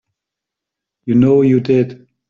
You know you did.